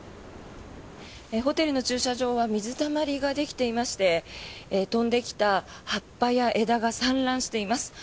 ホテルの駐車場は水たまりができていまして飛んできた葉っぱや枝が散乱しています。